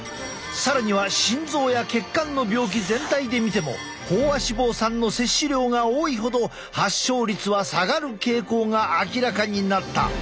更には心臓や血管の病気全体で見ても飽和脂肪酸の摂取量が多いほど発症率は下がる傾向が明らかになった。